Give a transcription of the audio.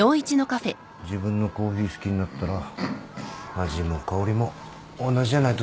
自分のコーヒー好きになったら味も香りも同じじゃないと駄目だろ。